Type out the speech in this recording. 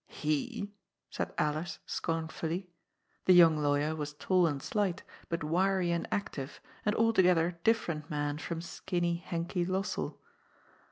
" He !" said Alers scornfully. The young lawyer was tall and slight, but wiry and active, an altogether different man from skinny Henky Lossell.